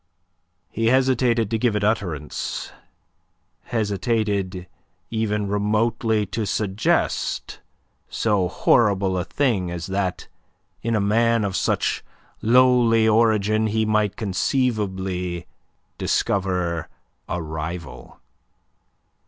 He hesitated to give it utterance; hesitated even remotely to suggest so horrible a thing as that in a man of such lowly origin he might conceivably discover a rival.